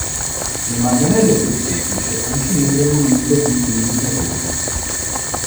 Il manganello più semplice è un cilindro munito di impugnatura.